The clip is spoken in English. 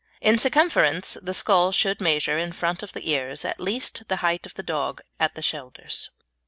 In circumference the skull should measure in front of the ears at least the height of the dog at the shoulders.